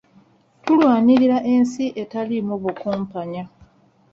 Tulwanirira ensi etalimu bukumpanya.